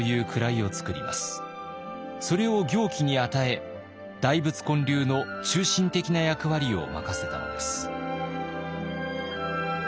それを行基に与え大仏建立の中心的な役割を任せたのです。